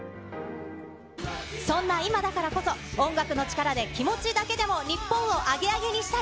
そんな今だからこそ、音楽の力で気持ちだけでも日本をアゲアゲにしたい。